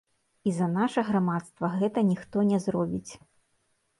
І за наша грамадства гэта ніхто не зробіць.